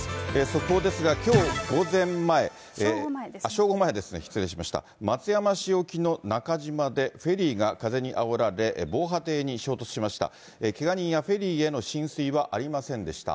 速報ですが、きょう正午前、松山市沖の中島で、フェリーが風にあおられ、防波堤に衝突しました。